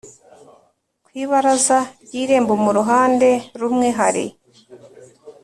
Ku ibaraza ry irembo mu ruhande rumwe hari